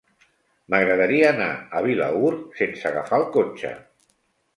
M'agradaria anar a Vilaür sense agafar el cotxe.